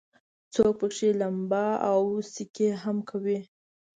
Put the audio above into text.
څوک پکې لمبا او سکي هم کوي.